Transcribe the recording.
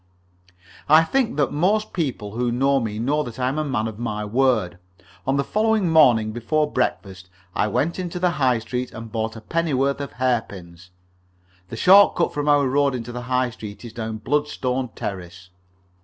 I think that most people who know me know that I am a man of my word. On the following morning, before breakfast, I went into the High Street to buy a pennyworth of hairpins. The short cut from our road into the High Street is down Bloodstone Terrace.